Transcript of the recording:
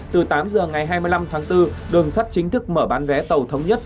từ tám giờ ngày hai mươi năm tháng bốn đường sắt chính thức mở bán vé tàu thống nhất